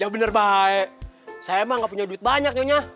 ya benar baik saya emang gak punya duit banyak nyonya